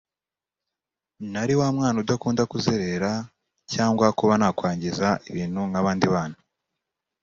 nari wa mwana udakunda kuzerera cyangwa kuba nakwangiza ibintu nk’abandi bana